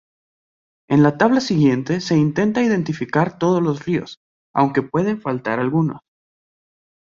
En la tabla siguiente se intenta identificar todos los ríos, aunque pueden faltar algunos.